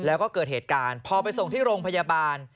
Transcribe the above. แล้วก็เกิดเหตุการณ์พอไปส่งที่โรงพยาบาล